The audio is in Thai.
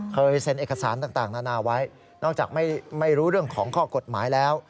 เคยเซ็นเอกสารต่างนานาไว้นอกจากไม่รู้เรื่องของข้อกฎหมายแล้ว